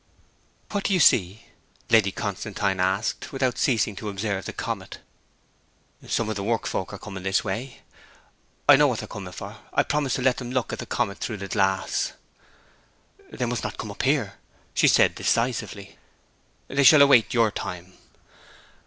'What do you see?' Lady Constantine asked, without ceasing to observe the comet. 'Some of the work folk are coming this way. I know what they are coming for, I promised to let them look at the comet through the glass.' 'They must not come up here,' she said decisively. 'They shall await your time.'